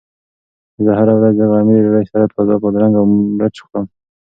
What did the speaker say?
زه هره ورځ د غرمې د ډوډۍ سره تازه بادرنګ او مرچ خورم.